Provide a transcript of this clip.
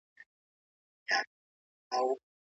هغه د خپلو شعرونو له لارې د اخلاقو پیغام ورکولو.